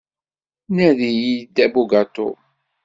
Nadi-iyi-d abugaṭu.